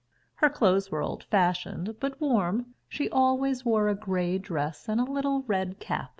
Her clothes were old fashioned but warm. She always wore a grey dress and a little red cap.